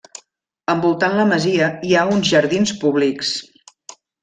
Envoltant la masia hi ha uns jardins públics.